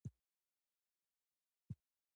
سپی سړی له هېچاسره جوړ نه راځي.